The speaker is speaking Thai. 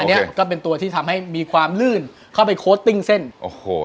อันนี้ก็เป็นตัวที่ทำให้มีความลื่นเข้าไปโค้ดติ้งเส้นโอ้โห